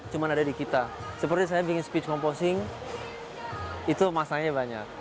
cuma ada di kita seperti saya bikin speech memposting itu masanya banyak